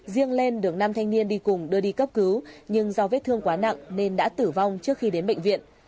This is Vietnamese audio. riêng lên được nam thanh niên đi cùng đưa đi cấp cứu nhưng do vết thương quá nặng nên đã tử vong trước khi đến bệnh viện